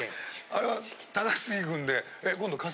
あれは高杉君で。